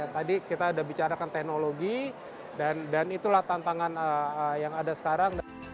tadi kita sudah bicarakan teknologi dan itulah tantangan yang ada sekarang